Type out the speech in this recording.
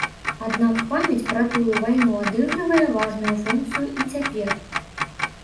Аднак памяць пра тую вайну адыгрывае важную функцыю і цяпер.